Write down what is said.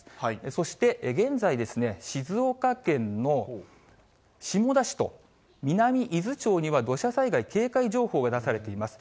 そして現在ですね、静岡県の下田市と、南伊豆町には土砂災害警戒情報が出されています。